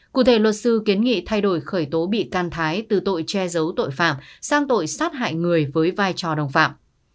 cụ thể luật sư kiến nghị thay đổi khởi tố bị can thái từ tội che giấu tội phạm sang tội sát hại người với vai trò đồng phạm